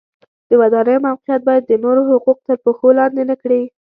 د ودانیو موقعیت باید د نورو حقوق تر پښو لاندې نه کړي.